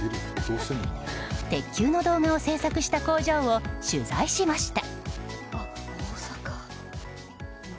鉄球の動画を制作した工場を取材しました。